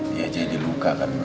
dia jadi luka kan